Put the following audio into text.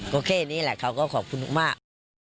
ก็แค่นี้แหละเขาก็ขอบคุณมาก